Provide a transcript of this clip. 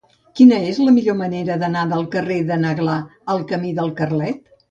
Quina és la millor manera d'anar del carrer de n'Aglà al camí del Carlet?